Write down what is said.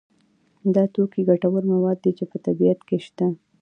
دا توکي ګټور مواد دي چې په طبیعت کې شته.